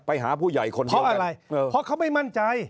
ไปหาผู้ใหญ่คนเที่ยวกันเพราะอะไรเพราะเค้าไม่มั่นใจ